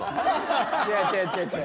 違う違う違う違う。